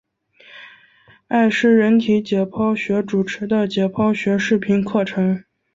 艾氏人体解剖学主持的解剖学视频课程。